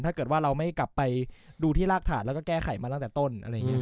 ถ้าเกิดว่าเราไม่กลับไปดูที่รากฐานแล้วก็แก้ไขมาตั้งแต่ต้นอะไรอย่างนี้